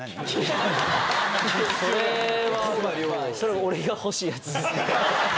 それは、俺が欲しいやつです